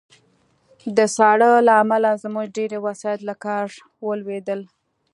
د ساړه له امله زموږ ډېری وسایط له کار ولوېدل